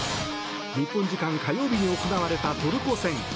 日本時間火曜日に行われたトルコ戦。